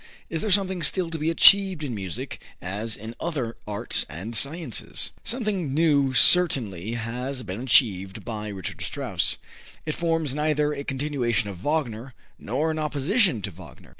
Is there something still to be achieved in music as in other arts and sciences?" Something new certainly has been achieved by Richard Strauss. It forms neither a continuation of Wagner nor an opposition to Wagner.